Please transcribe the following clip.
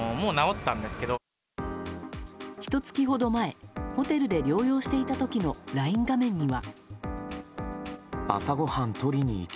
ひと月ほど前ホテルで療養していた時のＬＩＮＥ画面には。